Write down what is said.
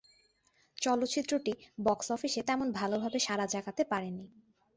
চলচ্চিত্রটি বক্স-অফিসে তেমন ভালভাবে সাড়া জাগাতে পারেনি।